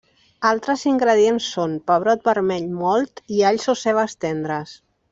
Altres ingredients són: pebrot vermell mòlt i alls o cebes tendres.